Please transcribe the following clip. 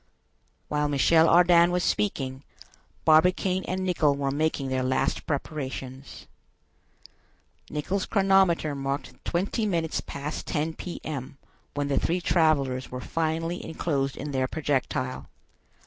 While Michel Ardan was speaking, Barbicane and Nicholl were making their last preparations. Nicholl's chronometer marked twenty minutes past ten P.M. when the three travelers were finally enclosed in their projectile.